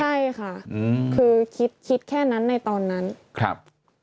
ใช่ค่ะอืมคือคิดคิดแค่นั้นในตอนนั้นครับ